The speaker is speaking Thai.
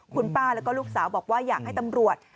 คุณป้าแล้วก็ลูกสาวบอกว่าอยากให้ตำรวจ